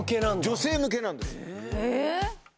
女性向けなんですえ！？